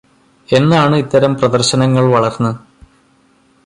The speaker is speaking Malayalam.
എന്നാണ് ഇത്തരം പ്രദര്ശനങ്ങള് വളര്ന്ന്